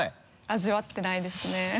味わってないですね。